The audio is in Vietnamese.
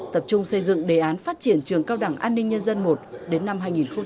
tập trung xây dựng đề án phát triển trường cao đẳng an ninh nhân dân i đến năm hai nghìn hai mươi